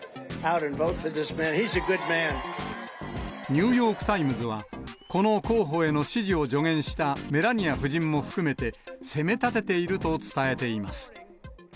ニューヨークタイムズは、この候補への支持を助言したメラニア夫人も含めて、責めたてていると伝えています。